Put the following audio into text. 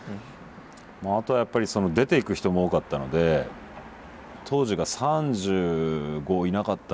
あとはやっぱりその出ていく人も多かったので当時が３５いなかったんじゃないですかね。